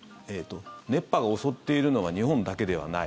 熱波が襲っているのは日本だけではない。